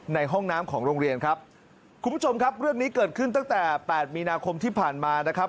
ในห้องน้ำของโรงเรียนครับคุณผู้ชมครับเรื่องนี้เกิดขึ้นตั้งแต่แปดมีนาคมที่ผ่านมานะครับ